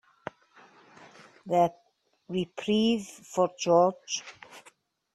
The reprieve for George.